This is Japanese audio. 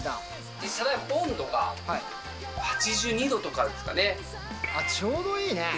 実際温度が８２度とかですかちょうどいいね。